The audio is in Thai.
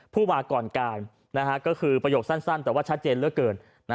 ผู้มาก่อนการก็คือประโยคสั้นแต่ว่าชัดเจนเหลือเกิน